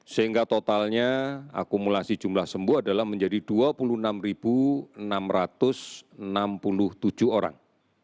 sehingga totalnya akumulasi jumlah sembuh adalah menjadi dua puluh enam enam ratus enam puluh tujuh orang